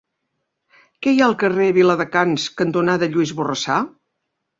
Què hi ha al carrer Viladecans cantonada Lluís Borrassà?